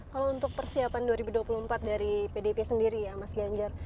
kalau untuk persiapan dua ribu dua puluh empat dari pdip sendiri ya mas ganjar